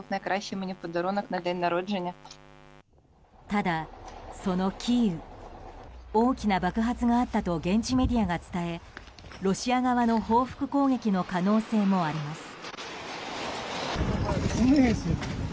ただ、そのキーウ大きな爆発があったと現地メディアが伝えロシア側の報復攻撃の可能性もあります。